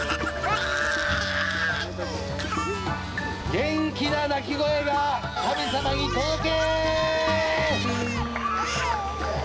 元気な泣き声が神様に届け！